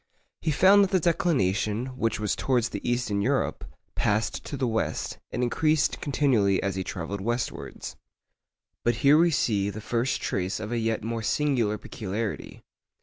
He found that the declination, which was towards the east in Europe, passed to the west, and increased continually as he travelled westwards. But here we see the first trace of a yet more singular peculiarity.